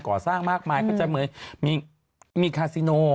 ขอสร้างมากมายก็จะมีคาซิโน